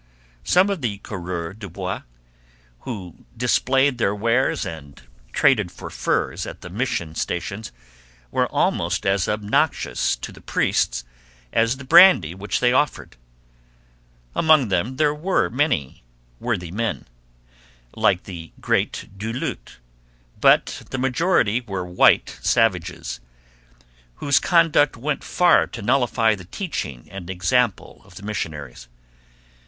Some of the coureurs de bois, who displayed their wares and traded for furs at the mission stations, were almost as obnoxious to the priests as the brandy which they offered. Among them were many worthy men, like the great Du Lhut; but the majority were 'white savages,' whose conduct went far to nullify the teaching and example of the missionaries.